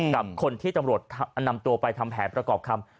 กับคนที่ตำรวจนำตัวไปทำแผนประกอบคำ